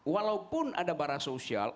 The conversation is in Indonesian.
walaupun ada barah sosial